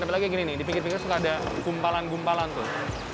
tapi lagi gini nih di pinggir pinggir suka ada kumpalan gumpalan tuh